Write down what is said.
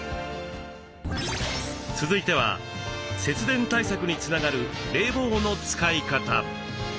続いては節電対策につながる冷房の使い方。